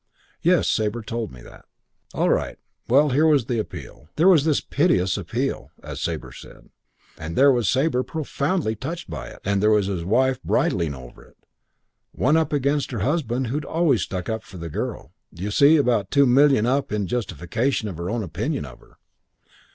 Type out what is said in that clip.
Yes, Sabre told me that.... "All right. Well, there was the appeal, 'there was this piteous appeal', as Sabre said, and there was Sabre profoundly touched by it, and there was his wife bridling over it one up against her husband who'd always stuck up for the girl, d'you see, and about two million up in justification of her own opinion of her.